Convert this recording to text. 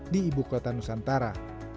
di ibu kota nusantara